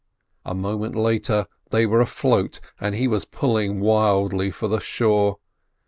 A moment later they were afloat, and he was pulling wildly for the shore.